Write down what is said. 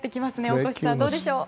大越さんどうでしょう？